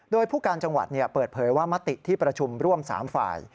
โดยผู้การจังหวัดเปิดเผยว่ามติที่ประชุมร่วม๓ฝ่าย